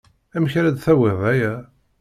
Amek ara d-tawiḍ aya?